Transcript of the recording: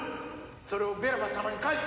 それをベロバ様に返せ！